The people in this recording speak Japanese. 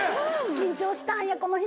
緊張したんやこの人！